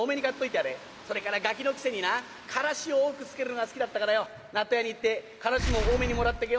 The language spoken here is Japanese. それからガキのくせになからし多くつけるのが好きだったからよ納豆屋に言ってからしも多めにもらっとけよ」。